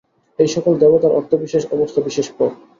এই-সকল দেবতার অর্থ বিশেষ অবস্থা, বিশেষ পদ।